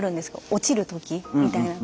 落ちる時みたいな時。